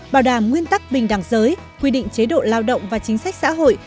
bảo đảm nguyên tắc bình đẳng giới quy định chế độ lao động và chính sách xã hội